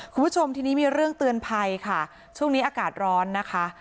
คุณผู้ชมทีนี้มีเรื่องเตือนภัยค่ะช่วงนี้อากาศร้อนนะคะ